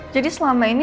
jadi selama ini